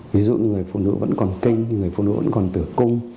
ví dụ người phụ nữ vẫn còn kinh thì người phụ nữ vẫn còn tử cung